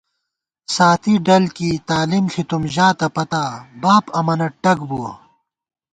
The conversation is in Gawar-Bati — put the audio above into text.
ساتی ڈل کېئی تعلیم ݪِتُم ژاتہ پتا ، باب امَنہ ٹگ بُوَہ